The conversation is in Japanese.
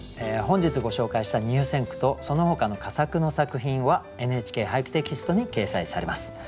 本日ご紹介した入選句とそのほかの佳作の作品は「ＮＨＫ俳句」テキストに掲載されます。